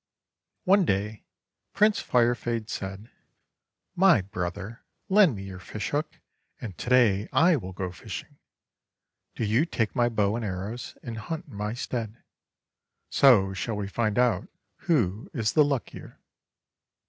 One day Prince Firefade said :— "My brother, lend me your fish hook, and to day I will go fishing. Do you take my bow and arrows, and hunt in my stead. So shall we find out who is the luckier."